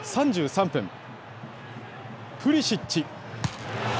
３３分、プリシッチ。